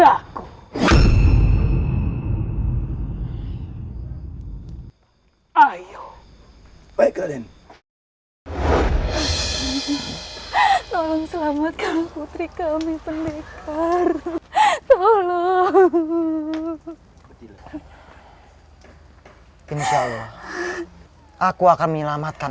aku ayo baik kalian tolong selamatkan putri kami pendekar tolong insyaallah aku akan menyelamatkan